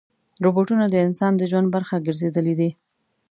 روبوټونه د انسان د ژوند برخه ګرځېدلي دي.